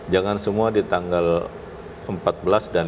jangan semua di tanggal empat belas dan dua puluh